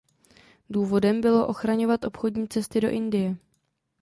Důvodem bylo ochraňovat obchodní cesty do Indie.